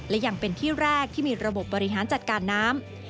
และยังเป็นที่แรกที่มีระบบบบริหารจัดการน้ำ